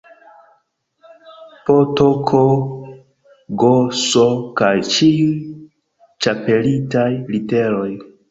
P, T, K, G, S kaj ĉiuj ĉapelitaj literoj